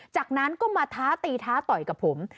จากนั้นก็มาท้าตีท้าต่อยกับผม